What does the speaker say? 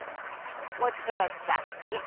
わしからスタートね。